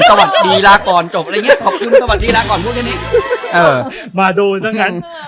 สะพาน